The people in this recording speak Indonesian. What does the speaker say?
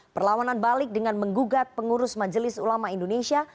perlawanan balik dengan menggugat pengurus majelis ulama indonesia